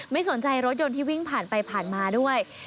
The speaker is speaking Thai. ไม่สนใจรถยนต์ที่วิ่งผ่านไปผ่านมาด้วย